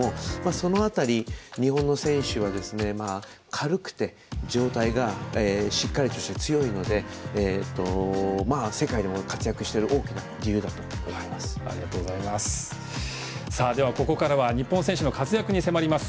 その辺り、日本の選手は軽くて上体がしっかりとして強いので世界でも活躍しているでは、ここからは日本選手の活躍に迫ります。